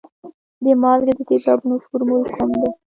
د مالګې د تیزابونو فورمول کوم دی؟